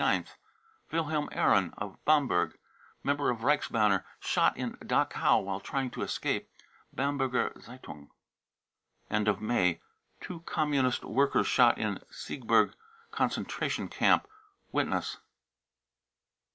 wilhelm aron, of Bamberg, member of Reichsbannj shot in Dachau " while trying to escape. 55 (. Bamberger Z^n End of May. two communist workers shot in Siegburg conc< tration camp. (Witness.)